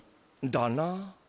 だな。